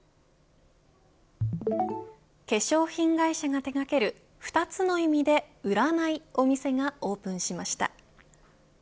化粧品会社が手掛ける２つの意味でうらないお店がオープンしました。